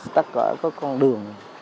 tất cả có con đường